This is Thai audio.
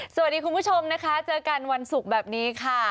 คุณผู้ชมนะคะเจอกันวันศุกร์แบบนี้ค่ะ